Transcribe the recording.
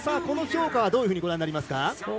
この評価はどういうふうにご覧になりますか？